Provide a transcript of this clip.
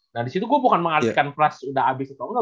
nah disitu gue bukan mengartikan pras udah habis atau enggak